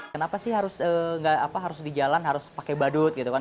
kenapa sih harus di jalan harus pakai badut gitu kan